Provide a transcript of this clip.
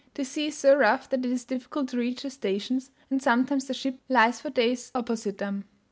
The sea is so rough that it is difficult to reach the stations, and sometimes the ship lies for days opposite them.